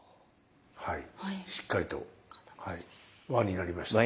はいしっかりと輪になりました。